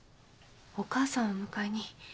お母さんを迎えに。